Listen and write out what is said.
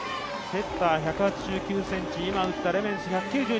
セッターは１８９ｃｍ、今打ったレメンス、１９２ｃｍ。